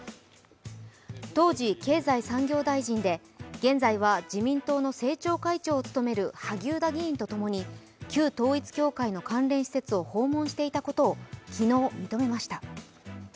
当時、経済産業大臣で自民党の政調会長を務める萩生田議員とともに旧統一教会関連の施設を訪問していたことを昨日、認めました。